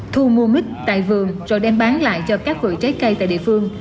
thu mua mít tại vườn rồi đem bán lại cho các vụ trái cây tại địa phương